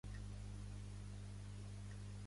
Pertany al moviment independentista el Mike?